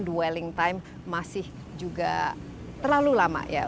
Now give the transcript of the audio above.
dwelling time masih juga terlalu lama ya